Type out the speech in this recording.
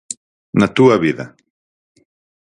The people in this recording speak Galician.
Na túa vida.